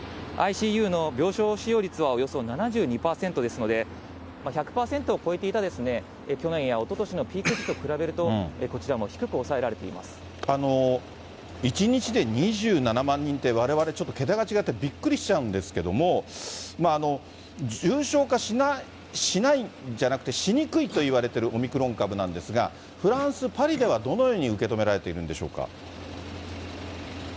ＩＣＵの病床使用率はおよそ７２％ですので、１００％を超えていた、去年やおととしのピーク時と比べると、こちらも低く抑えられてい１日で２７万人って、われわれちょっと桁が違って、びっくりしちゃうんですけれども、重症化しないんじゃなくて、しにくいといわれてるオミクロン株なんですが、フランス・パリでは、どのように受け止められているんでしょうか。